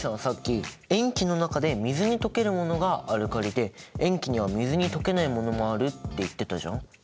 さっき塩基の中で水に溶けるものがアルカリで塩基には水に溶けないものもあるって言ってたじゃん？